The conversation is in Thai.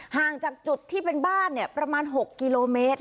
ห่างจากจุดที่เป็นบ้านประมาณ๖กิโลเมตร